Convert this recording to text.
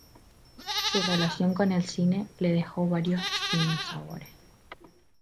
Su relación con el cine le dejó varios sinsabores.